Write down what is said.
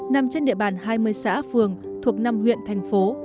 nằm trên địa bàn hai mươi xã phường thuộc năm huyện thành phố